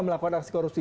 melakukan aksi korupsi